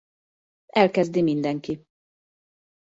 Elkezdi mindenki.